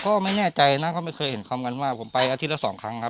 ก็ไม่แน่ใจนะก็ไม่เคยเห็นคำกันว่าผมไปอาทิตย์ละสองครั้งครับ